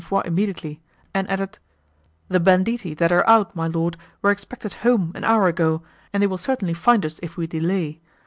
Foix immediately, and added, "The banditti, that are out, my Lord, were expected home, an hour ago, and they will certainly find us, if we delay.